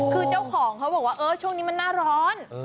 คือเจ้าของเขาบอกว่าเออช่วงนี้มันหน้าร้อน